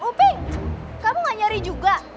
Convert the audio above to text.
kuping kamu gak nyari juga